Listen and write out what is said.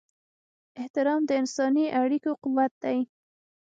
احترام د انساني اړیکو قوت دی.